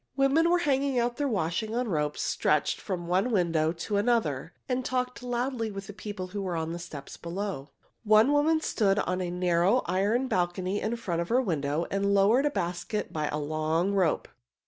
Women were hanging out their washing on ropes stretched from one window to another, and talked loudly with people who were on the steps below. One woman stood on a narrow iron balcony in front of her window and lowered a basket by a long rope.